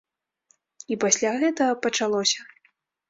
І пасля гэтага пачалося.